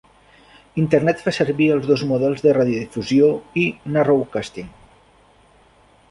Internet fa servir els dos models de radiodifusió i "narrowcasting".